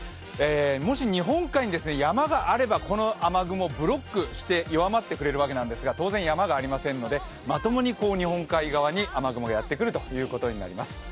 もし日本海に山があれば、この雨雲ブロックして弱まってくれるんですけれども当然山がありませんので、まともに日本海側に雨雲がやってくることになります。